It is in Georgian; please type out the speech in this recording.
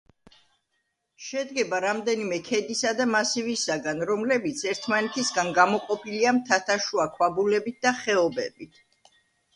შედგება რამდენიმე ქედისა და მასივისაგან, რომლებიც ერთმანეთისგან გამოყოფილია მთათაშუა ქვაბულებით და ხეობებით.